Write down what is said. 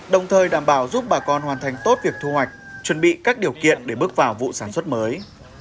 đồng thời đảm bảo giúp bà con hoàn thành tốt việc thu hoạch chuẩn bị các điều kiện để bước vào vụ sản xuất mới